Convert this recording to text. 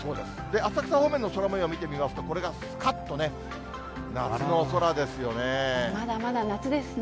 浅草方面の空もよう見てみますと、これがすかっとね、夏の空ですよまだまだ夏ですね。